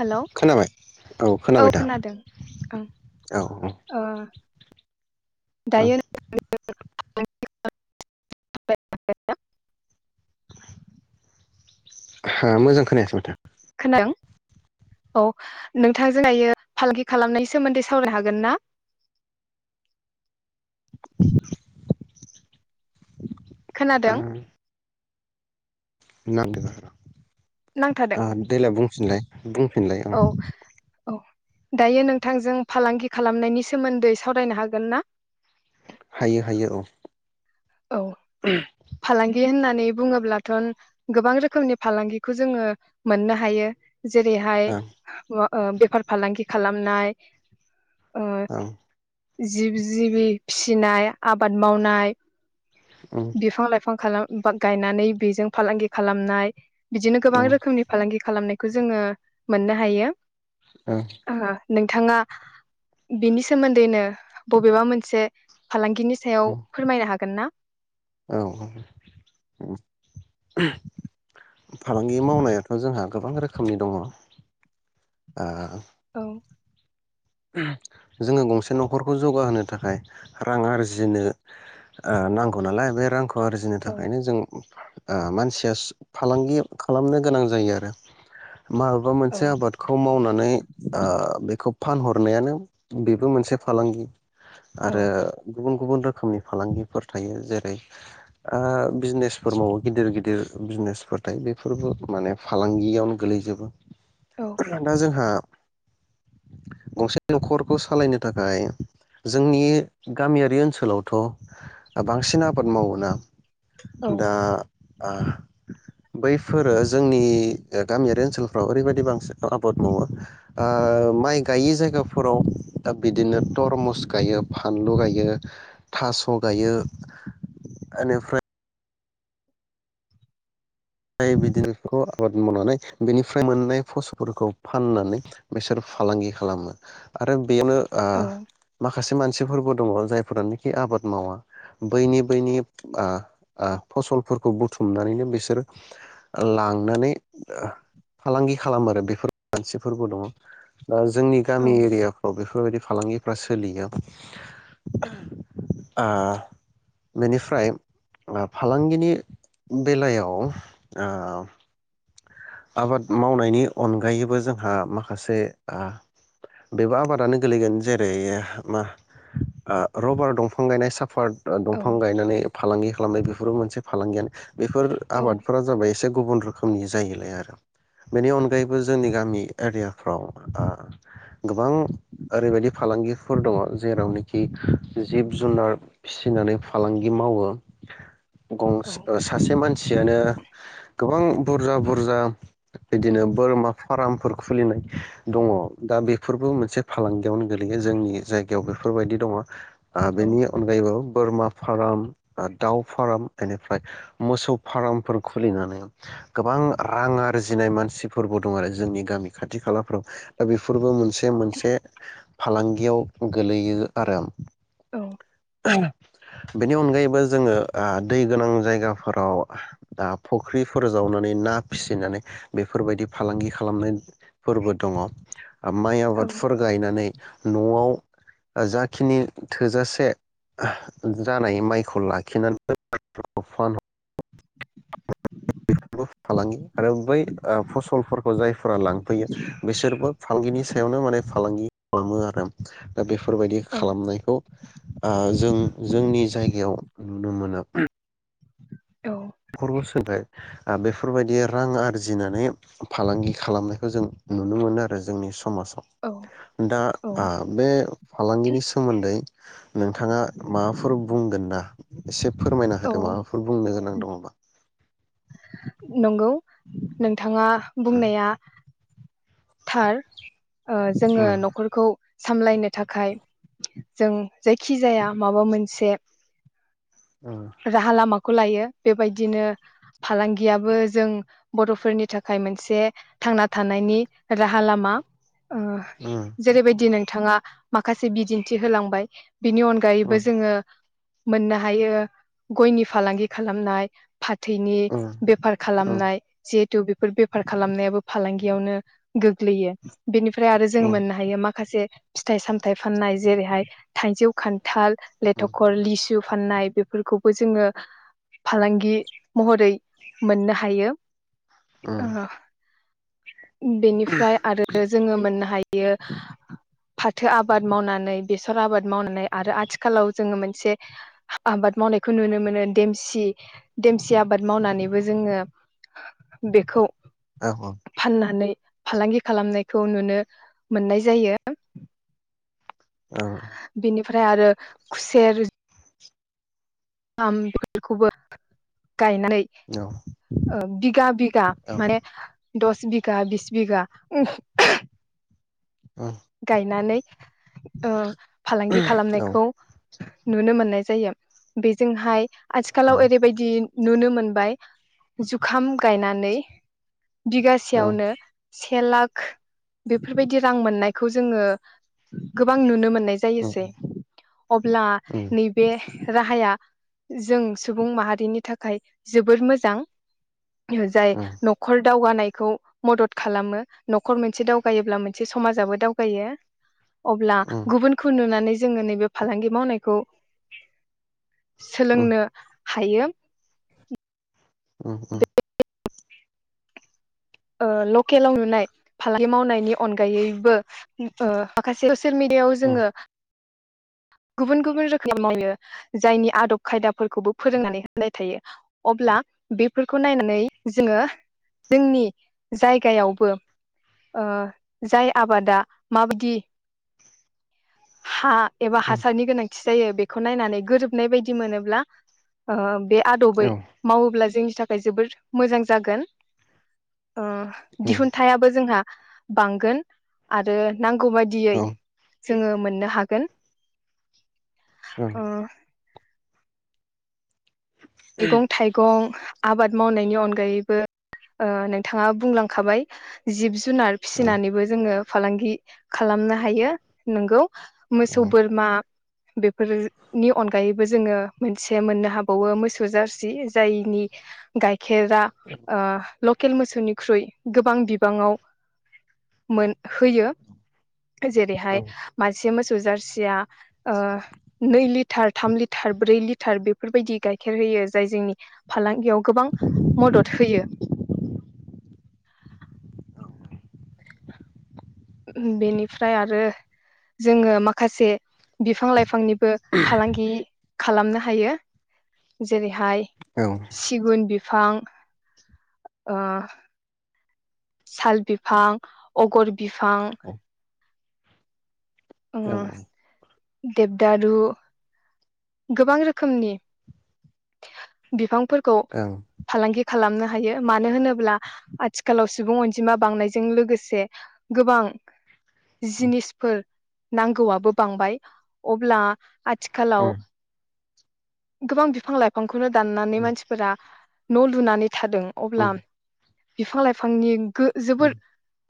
Hello खोनाबाय औ खोनाबाय दा खोनादों ओं औ ओ ओं दायो [inaudible] मोजां खोनायासै माथो। खोनादों औ नोंथांजोंहायो फालांगि खालामनायनि सोमोन्दै सावरायनो हागोन ना? [inaudible] ओ खोनादों [inaudible] नांथादों ओ देलाय बुंफिनलाय बुंफिनलाय उम औ औ दायो नोंथांजों फालांगि खालामनायनि सोमोन्दै सावरायनो हागोन ना? हायो हायो औ औ फालांगि होननानै बुङोब्लाथ' गोबां रोखोमनि फालांगिखौ जोङो मोननो हायो। जेरैहाय ओं ओ बेफार फालांगि खालामनाय ओ औ जिब जिबि फिसिनाय आबाद मावनाय ओं बिफां लाइफां खालाम गायनानै बेजों फालांगि खालामनाय बिदिनो गोबां ओं रोखोमनि फालांगि खालामनाय खौ जोङो मोननो हायो आ नों बिथाङा बिनि सोमोन्दैनो बबेबा मोनसे फालांगिनि सायाव ओं फोरमायनो हागोन ना? औ औ फालांगि मावनायाथ' जोंहा गोबां रोखोमनि दङ। आ औ जोङो गंसे न'खरखौ जौगाहोनो थाखाय रां आरजिनो नांगौ नालाय बे रां खौ आरजिनो औ थाखायनो जों मानसिया फालांगि खालामनो गोनां जायो आरो माबेबा औ मोनसे आबादखौ मावनानै ओ बेखौ फानहरनायानो बेबो मोनसे फालांगि औ आरो गुबुन गु गुबुन रोखोमनि फालांगिफोर थायो जेरै ओ बिजनेसफोर मावो गिदिर गिदिर बिजनेसफोर थायो बेफोरबो माने फालांगियावनो गोलैजोबो औ दा जोंहा गंसे न'खरखौ सालायनो थाखाय जोंनि गामियारि ओनसोलावथ' बांसिन आबाद मावोना औ दा ओ बैफोरो जोंनि गामियारि ओनसोलफ्राव ओरैबादि बांसिन आबाद मावो आ माइ गायै जायगाफोराव बिदिनो तरमुस गायो फानलु गायो थास' गायो इनिफ्राय बिदिनोखौ आबाद मावनानै बेनिफ्राय मोननाय फसलफोरखौ फाननानै बिसोर फालांगि खालामो आरो बेयावनो आ औ माखासे मोनसे मानसिफोरबो दङ जायफोरानोखि आबाद मावा बैनि बैनि ओ-ओ फसलफोरखौ बुथुमनानैनो बिसोर लांनानै फालांगि खालामो आरो बेफोर मानसिफोरबो दङ। दा जोंनि औ गामि एरियाफ्राव बेफोरबायदि फालांगिफ्रा सोलियो ओ बेनिफ्राय फालांगिनि बेलायाव औ आबाद मावनायनि अनगायैबो जोंहा माखासे आ बेबो आबादानो गोलैगोन जेरै- मा ओ रबार दंफां गायनाय साब पार्ट औ दंफां गायनानै फालांगि खालामनाय बेफोरबो मोनसे फालांगियानो बेफोर औ आबादफोरा जाबाय एसे गुबुन रो खोमनि जायोलाय आ बेनि अनगायैबो जोंनि गामि एरियाफ्राव ओ गोबां ओरैबायदि फालांगिफोर दङ जेरावनोखि जिब जुनार फिसिनानै फालांगि मावो गंस औ ओ सासे मानसियानो गोबां बुरजा बुरजा बिदिनो बोरमा फार्मफोर खुलिनाय दङ दा बेफोरबो मोनसे फालांगियावनो गोलैयो जोंनि जायगायाव बेफोरबायदि दङ ओ बेनि अनगायैबो बोरमा फाराम दाउ फार्म बेनिफ्राय मोसौ फार्मफोर खुलिनानै गोबां रां आ जिनाय मानसिफोरबो दं आरो जोंनि गामि खाथि खालाफ्राव दा बेफोरबो मोनसे जे मोनसे फालांगियाव गोलैयो आरो औ बेनि अनगायैबो जोङो ओ दै गोनां जायगाफोराव दा फुख्रिफोर जावनानै ना फिसिनानै बेफोरबायदि फालांगि खालामनायफोरबो दङ माइ आबादफोर गायनानै न'आव जाखिनि थोजासे जानाय माइखौ लाखिनानै [unintelligible] [unintelligible] फालांगि आरो बै ओ फसलफोरखौ जायफोरा लांफैयो बिसोरबो फालांगिनि सायावनो माने फालांगि खालामो आरो दा बे फोरबायदि औ खालामनायखौ ओ जों जोंनि जायगायाव नुनो मोनो। औ [unintelligible] सोलाय ओ बेफोरबायदि रां आरजिनानै फालांगि खालामनायखौ जों नुनो मोनो आरो जोंनि सम समाज औ आव दा ओ बे फालांगिनि सोमोन्दै नोंथाङा माबाफोर बुंगोन ना एसे फोरमायना औ होदो माबाफोर बुंनो गोनां [inaudible] नंगौ नोंथाङा बुंनाया थार ओ जोङो न'खरखौ सामलायनो थाखाय जों जायखिजाया माबा मोनसे उम राहा लामाख खौ लायो बेबायदिनो फालांगि लांगियाबो जों बर'फोरनि थाखाय मोनसे थांना थानायनि राहा लामा। ओ जेरैबायदि नों थाङा माखासे बिदिन्थि होलांबाय बिनि उम अनगायैबो जोङो मोननो हायो गयनि फालांगि खालामनाय। फाथैनि उम बेफार उम खालामनाय। जिहेथु बेफोर बेफार खालामनायाबो फालांगियावनो गोग्लैयो। बेनिफ्राय आरो जों उम उम मोननो हायो माखासे फिथाइ सामथाइ फाननाय जेरैहाय थाइजौ खान थाल, उम लेथक', लिसु फाननाय बेफोरखौबो जोङो फालांगि महरै मोननो हायो। उम ओ। बेनिफ्राय आरो जोङो मोननो हायो यो फाथो आबाद मावनानै बेसर आबाद मावनानै आरो आथिखालाव जोङो मोनसे आबाद मावनायखौ नुनो मोनो देमसि देमसि आबाद मावनानै बो जोङो बेखौ औ औ फाननानै फालांगि खालामनायखौ नुनो मोननाय जायो। औ। बेनिफ्राय आरो खुसेर आम [unintelligible] खौबो गायनानै औ बिगा बिगा माने दस बिघा बिस बिघा उम गायनानै ओ फालांगि खालामनायखौ नुनो मोननाय जायो। बेजोंहाय आथिखालाव ओरैबायदि नुनो मोनबाय जुखाम गायनानै औ बिगासेयावनो से लाख बेफोरबायदि रां मोननाय खौ जोङो गोबां नुनो मोन ननाय उम जायोसै। अब्ला उम उम नैबे राहाया जों सुबुं माहारिनि थाखाय जोबोर मोजां। जाय नखर दावगानाय खौ मदद खालामो नखर मोनसे दावगायोब्ला मोनसे समाजाबो दावगायो। अब्ला गुबुनखौ नुनानै जोङो नैबे फालांगि मावनायखौ सोलोंनो हायो। उम उम ओ लकेलाव नुनाय फालांगि मावनायनि अनगायैबो ओ माखासे ससियेल मिडियाआव जोङो औ उम गुबुन गुबुन रोखोम मावनो जायनि आदब खायदाफोरखौबो फोरोंनानै होनाय थायो अब्ला बेफोरखौ नायनानै जोङो जोंनि जायगायावबो जाय ओ आबादा माबायदि हा एबा हासारनि गोनां जायो बेखौ नायनानै गोरोबनाय बायदि मोनोब्ला ओ बे आदबै मावोब्ला जों नि थाखाय जोबोर मोजां जागोन। ओ दिहुनथाइयाबो जोंहा। बांगोन आरो नांगौ बायदियै जोङो मोननो हागोन। उम ओ मैगं थाइगं आबाद मावनायनि अनगायैबो ओ नोंथाङा बुंलांखाबाय जिब जुनार औ फिसिनानैबो जोङो फालांगि औ मोसौ बोरमा बेफोरनि अनगायैबो जोङो मोनसे मोननो हाबावो मोसौ जारसि जायनि गाय गाइखेरा ओ लकेल मोसौनिख्रुइ गोबां बिबाङाव मोन होयो। जेरैहाय मासे मोसौ जारसिया ओ नै लिटार थाम लिटार ब्रै लिटार बेफोरबायदि गाय खेर होयो जाय जोंनि फालांगि याव गोबां मदद होयो बेनिफ्राय आरो जोङो माखासे बिफां लाइफांनिबो फालांगि खालामनो हायो जेरैहाय सिगुन बिफां ओ साल बिफां अगर बिफां ओ औ देबदारु गोबां रोखोमनि बिफां फोरखौ फालांगि खालामनो हायो मानो होनोब्ला आथिखालाव सुबुं अनजिमा बांनायजों लोगोसे गोबां जिनिसफोर नांगौआबो बांबाय अब्ला आथिखालाव गोबां बिफां लाइफांखौ नो दाननानै मानसिफोरा न' लुनानै थादों अब्ला बिफां लाइफांनि गो जोबोद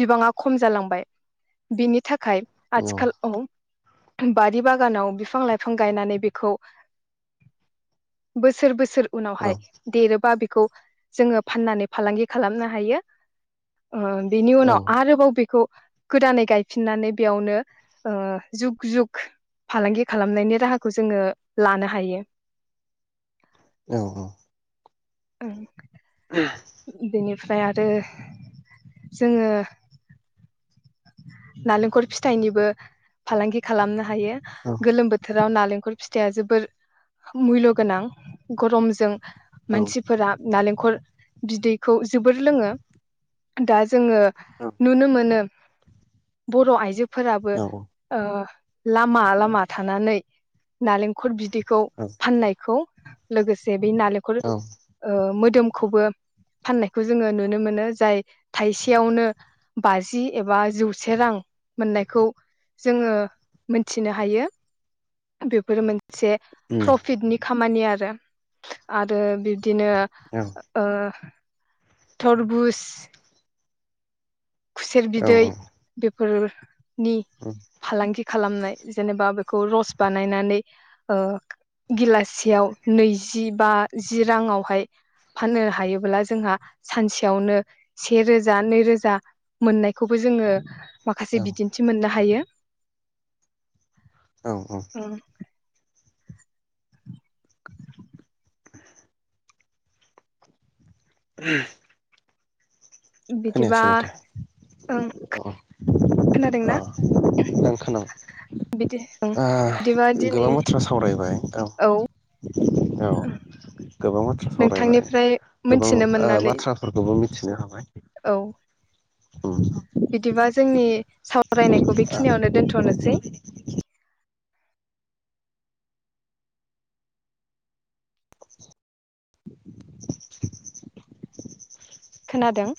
बिबाङा खम जालांबाय बिनि था खाय आथिखाल बारि बागानाव बिफां लाइफां गायनानै बेखौ बोसोर बोसोर उनावहाय देरोबा बे खौ जोङो फाननानै फालांगि खालामनो हायो बेनि उनाव आरोबाव बेखौ गोदानै गायफिननानै बेयावनो ओ जुग जुग फालांगि खालामनायनि राहाखौ जोङो लानो हायो औ औ उम बेनिफ्राय आरो जोङो नालेंखर फिथाइनिबो फालांगि खालामनो हायो गोलोम बोथोराव नालेंखर फिथाइया जोबोर मुल्य गोनां गरमजों मानसिफोरा नालें खर बिदैखौ जोबोर लोङो दा जोङो नुनो मोनो बर आइजो फोराबो औ ओ लामा लामा थानानै नालेंखर बिदैखौ फाननायखौ लोगो बे नालेखर ओ मोदोम खौबो फाननायखौ जोङो नुनो मोनो जाय थाइसेयावनो बाजि एबा जौसे रां मोननायखौ जोङो मोनथिनो हायो बेफोरो मोन से प्रफिटनि खामानि आ रा आरो बि दिनो ओ थरबुस खुसेर बिदै बे फोर नि फालांगि खालामनाय जेनेबा बेखौ रस बानायनानै ओ गिलाससेयाव नैजि बा जि राङावहाय फाननो हायोब्ला जोंहा सानसेयावनो सेेरोजा नै रोजा मोननायखौबो जोङो माखासे बिदिन्थि मोननो हायो । औ औ । ओं [unintelligible] बिदिबा खोनायासै माथो ओं अ अ खोनादोंना मोजां खोनाबाय बिदि दा बिदिबा दिनै गोबां बाथ्रा सावरायबाय औ औ । गोबां बाथ्रा सावरायबाय नोंथांनिफ्राय गोबां मोनथिनो ओ मोननानै बाथ्राफोरखौबो मिथिनो हाबाय । औ । बिदिबा जोंनि सावरायनायखौ बेखिनियावनो दोनथ नोसै । [inaudible] जादों ।